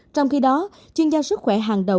trong khi đó chuyên gia sức khỏe hàng ngày